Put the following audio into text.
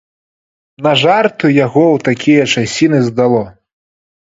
На жарты яго ў такія часіны здало.